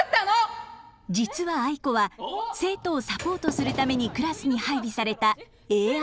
実はアイコは生徒をサポートするためにクラスに配備されたＡＩ。